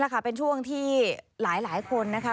เป็นช่วงที่หลายคนนะคะ